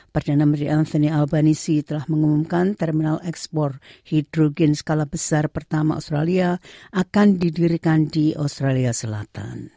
perdana menteri elseni albanisi telah mengumumkan terminal ekspor hidrogen skala besar pertama australia akan didirikan di australia selatan